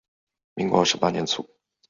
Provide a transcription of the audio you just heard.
民国二十八年卒。